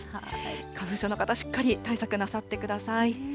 花粉症の方、しっかり対策なさってください。